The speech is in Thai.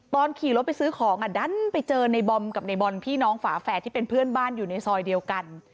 ขี่รถไปซื้อของดันไปเจอในบอมกับในบอลพี่น้องฝาแฝดที่เป็นเพื่อนบ้านอยู่ในซอยเดียวกัน